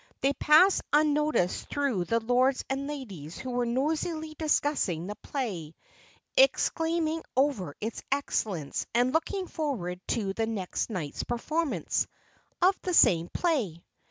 They passed unnoticed through the Lords and Ladies who were noisily discussing the play, exclaiming over its excellence, and looking forward to the next night's performance of the same play.